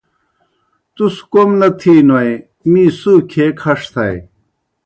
تُس کوْم نہ تِھینوئے می سُو کھیے کھݜ تھائے۔